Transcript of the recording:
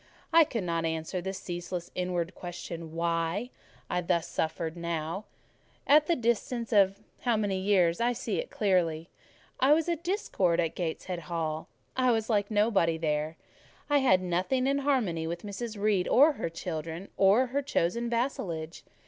I could not answer the ceaseless inward question—why I thus suffered; now, at the distance of—I will not say how many years, I see it clearly. I was a discord in Gateshead Hall: I was like nobody there; I had nothing in harmony with Mrs. Reed or her children, or her chosen vassalage.